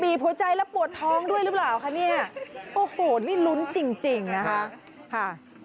หัวใจและปวดท้องด้วยหรือเปล่าคะเนี่ยโอ้โหนี่ลุ้นจริงจริงนะคะค่ะ